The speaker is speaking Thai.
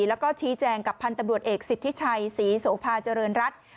แล้วก็ชี้แจงกับพันธุ์ตำรวจเอกสิทธิชัยศรีโสภาเจริญรัฐ